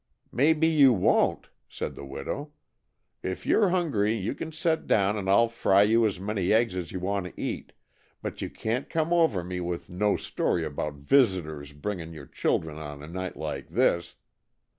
"Maybe you won't!" said the widow. "If you 're hungry you can set down and I'll fry you as many eggs as you want to eat, but you can't come over me with no story about visitors bringin' you children on a night like this!